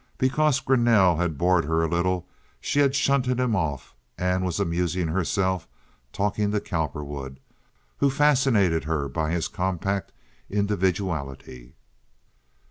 Because Greanelle had bored her a little she had shunted him off and was amusing herself talking to Cowperwood, who fascinated her by his compact individuality.